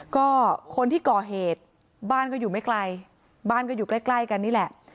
ก็คนที่ก่อเหตุบ้านก็อยู่ไม่ไกลบ้านก็อยู่ใกล้ใกล้กันนี่แหละ